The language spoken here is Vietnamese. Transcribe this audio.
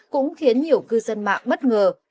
cũng khiến nhiều cư dân mạng bất ngờ